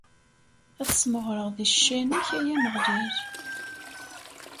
Ad smeɣreɣ di ccan-ik, ay Ameɣlal.